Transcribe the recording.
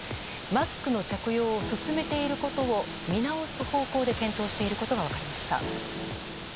マスクの着用を勧めていることを見直す方向で検討していることが分かりました。